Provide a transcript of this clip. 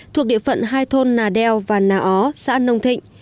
thuộc địa phận hai thôn nà đeo và nà ó xã nông thịnh